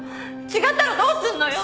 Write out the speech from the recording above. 違ったらどうするのよ！